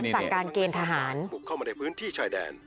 สั่งการเกณฑ์ทหาร